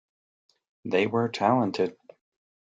They were talented.